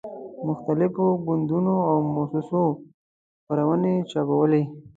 مختلفو ګوندونو او موسسو خپرونې چاپولې.